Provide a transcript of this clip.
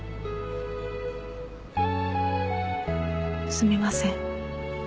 すみません。